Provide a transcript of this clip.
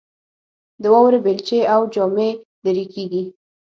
د واورې بیلچې او جامې لیرې کیږي